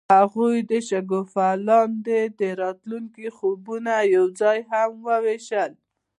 هغوی د شګوفه لاندې د راتلونکي خوبونه یوځای هم وویشل.